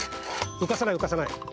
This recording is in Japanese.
うかさないうかさない。